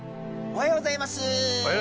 おはようございます。